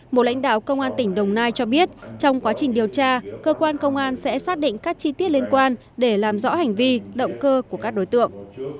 một lãnh đạo công an tỉnh đồng nai cho biết trong quá trình điều tra cơ quan công an sẽ xác định các chi tiết liên quan để làm rõ hành vi động cơ của các đối tượng